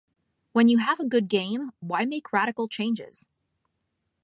When you have a good game, why make radical changes?